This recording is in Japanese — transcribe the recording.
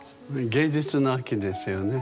芸術の秋ですよね。